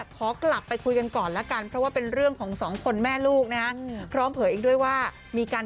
ขอกลับไปคุยกันก่อนแล้วกัน